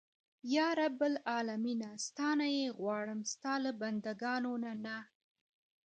یا رب العالمینه ستا نه یې غواړم ستا له بنده ګانو نه.